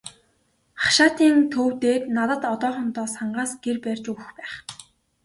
Хашаатын төв дээр надад одоохондоо сангаас гэр барьж өгөх байх.